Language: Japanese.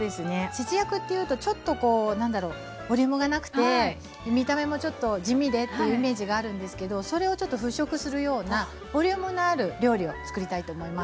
節約というとちょっとこう何だろうボリュームがなくて見た目もちょっと地味でっていうイメージがあるんですけどそれをちょっと払拭するようなボリュームのある料理をつくりたいと思います。